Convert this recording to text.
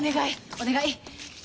お願い。